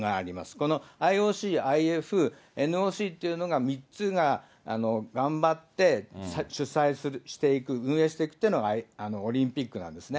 このＩＯＣ、ＡＩＦ、ＮＯＣっていうのが、３つが頑張って、主催していく、運営していくというのがオリンピックなんですね。